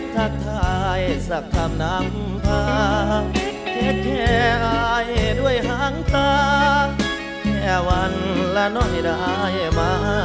ถ้าทายสักท่ามน้ำผ้าแค่แค่อายด้วยห้างตาแค่วันละน้อยได้ไหม